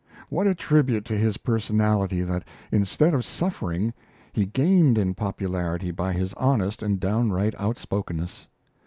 What a tribute to his personality that, instead of suffering, he gained in popularity by his honest and downright outspokenness!